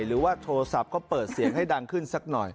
หรือว่าโทรศัพท์ก็เปิดเสียงให้ดังขึ้นสักหน่อย